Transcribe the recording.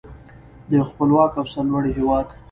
د یو خپلواک او سرلوړي هیواد.